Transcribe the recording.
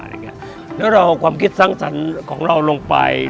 แล้วเราเอาความคิดสร้างสรรค์ของเราลงไป